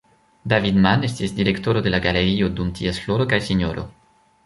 David Mann estis direktoro de la galerio dum ties floro kaj Sro.